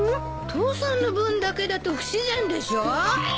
父さんの分だけだと不自然でしょ？